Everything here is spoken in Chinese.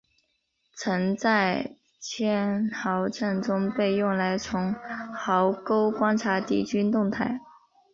曾在堑壕战中被用来从壕沟观察敌军动态。